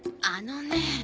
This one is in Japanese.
あのねえ